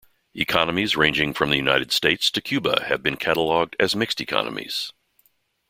Economies ranging from the United States to Cuba have been catalogued as mixed economies.